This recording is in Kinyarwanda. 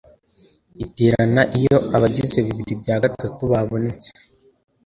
iterana iyo abagize bibiri bya gatatu babonetse